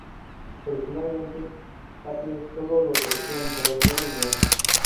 Originalmente, Apple solo lo ofrecía en color negro y blanco.